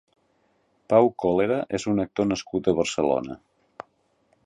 Pau Cólera és un actor nascut a Barcelona.